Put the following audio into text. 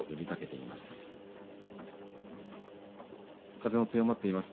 風も強まっています。